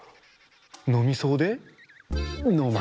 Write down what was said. のみそうでのま